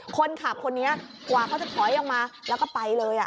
คนนี้กว่าเขาจะถอยออกมาแล้วก็ไปเลย